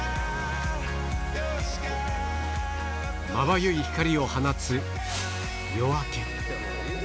まばゆい光を放つ夜明け。